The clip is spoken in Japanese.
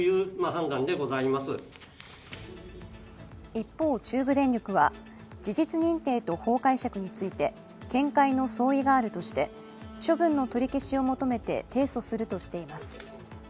一方、中部電力は事実認定と法解釈について見解の相違があるとして処分の取り消しを求めて提訴するとしています。